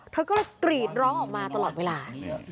เธอก็จะกรี๊ดรอออกมาแต่ร้อนเวลา